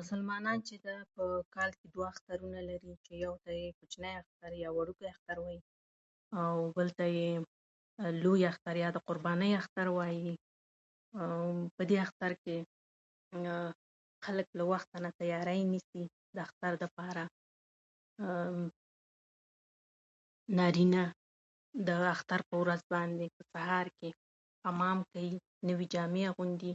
مسلمانان چې ده، په کال کې دوه اخترونه لري، چې یو ته یې کوچنی اختر یا وړوکی اختر وايي، او بل ته یې لوی اختر یا د قربانۍ اختر وايي. او په دې اختر کې خلک له وخته نه تیاری نیسي. د اختر لپاره نارینه د اختر په ورځ باندې په سهار کې حمام کوي، نوې جامې اغوندي،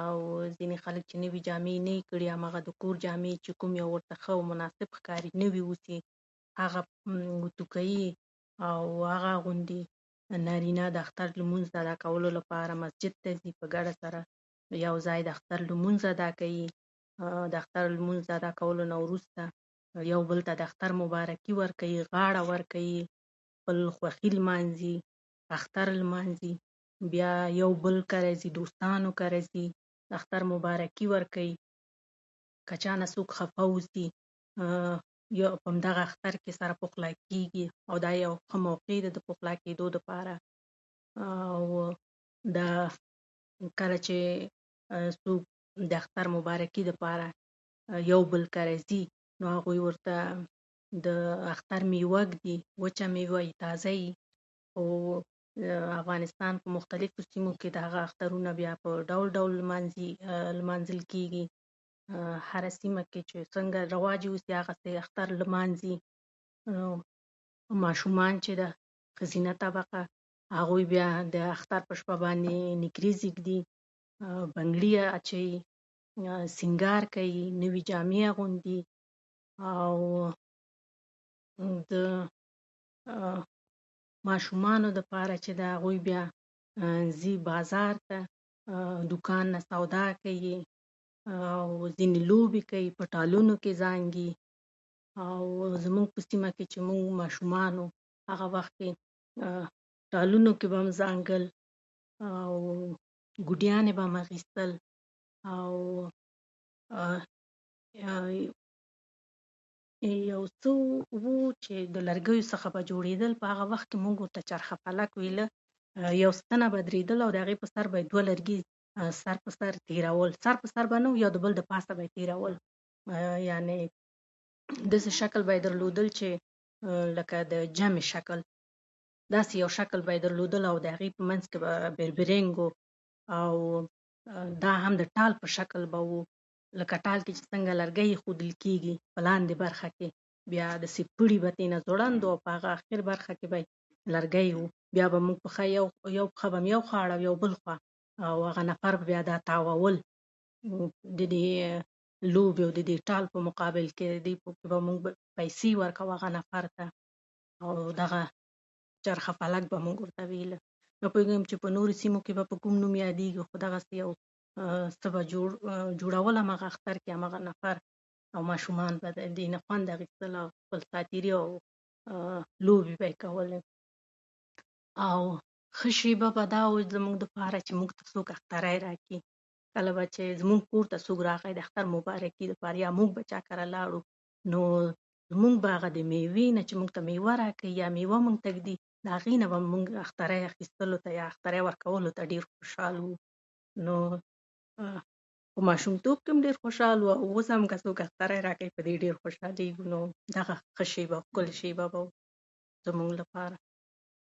او ځینې خلک چې نوې جامې نه وي کړي، هماغه د کور جامې کومې چې ورته ښې او مناسبې ښکاري، نوې اوسي، هغه اوتو کوي او هغه اغوندي. نارینه د اختر لمونځ د ادا کولو لپاره مسجد ته ځي، په ګډه سره یوځای د اختر لمونځ ادا کوي. د اختر لمونځ د ادا کولو څخه وروسته یو بل ته د اختر مبارکي ورکوي، غاړه ورکوي، خپله خوښي لمانځي، اختر لمانځي. بیا یو بل کره ځي، دوستانو کره ځي، د اختر مبارکي ورکوي. که چا نه څوک خپه اوسي، یو په همدغه اختر کې سره پخلا کېږي، او دا یو ښه موقع ده د پخلا کېدو لپاره. او دا [unintelligible] کره چې څوک د اختر مبارکي دپاره یو بل کره ځي، نو هغوی ورته د اختر مېوه ږدي، وچه مېوه وي، تازه وي. افغانستان په مختلفو سیمو کې د اخترونه بیا په ډول ډول لمانځي، لمانځل کېږي. هره سیمه کې چې څنګه رواج واوسي، هماغسې اختر لمانځي. او ماشومان چې ده، ښځینه طبقه، هغوی بیا د اختر په شپه باندې نکریزې ږدي، بنګړي اچوي، سینګار کوي، نوې جامې اغوندي. او د ماشومانو چې ده، هغوی لپاره ځي بازار ته، دوکان نه سودا کوي، او ځي میلو ته، لوبې کوي، په ټالونو کې زانګي. او زموږ په سیمو کې چې موږ ماشومان وو، هغه وخت کې به په ټالونو کې به موږ زانګل، کودیان به مو اخیستل، او یو څه وو چې له لرګي څخه به جوړېدل، هغه وخت کې به مو چرخه فلک ورته ویل. ستنه به درېدل، هغې په سر به یې سر په سر تېرول، سر په سر به نه، یو د بل دپاسه به یې تېرول. داسې شکل یې لاره لکه د جمع شکل، داسې شکل به یې لارلو، او د هغې په منځ کې به بېر بېرنګ، او دا هم د ټال په شکل به وو. لکه ټال کې چې څنګه لرګی ایښودل کېږي په لاندې برخه کې، بیا داسې پړي، بهترینه ځوړند وو، او په اخره برخه کې به لرګی و. بیا به مو یوه پښه یوه خوا واړوله، بله بل خوا، او هغه نفر به دا تاوول. نو د دې لوبې او د دې ټال په مقابل کې به موږ پیسې ورکاوه هغه نفر ته، او دغه چرخه فلک به موږ ورته ویل. نه پوهېږم په نورو سیمو کې به په کوم نوم یادېږي، خو دغسې یو څه به یو جوړول به هماغه اختر کې، او ماشومان به له دې نه خوند اخیستل او خپل ساعتېري او خپلې لوبې به یې کولې. او ښه شېبه به دا وه زموږ ته چې موږ ته څوک اختری راکړي، چې زموږ کور ته څوک راغی د اختر مبارکي لپاره، یا موږ به چا کره لاړو، نو موږ به هغه د مېوې نه، چې موږ ته مېوه راکوي یا مېوه موږ ته ږدي، د هغې نه به موږ اختری اخیستلو، یا اختری ورکولو ته ډېر خوشاله وو. نو په ماشومتوب کې هم ورته ډېر خوشاله وو، او اوس هم که هم څوک اختری راکوي، په دې ډېر خوشالېږو. دا ښه شېبه وه، دا ښکلې شېبه به وو زموږ لپاره.